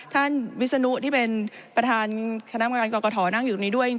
ท่านวิศนุที่เป็นประธานคณะบังกันกรกฐนั่งอยู่ในนี้ด้วย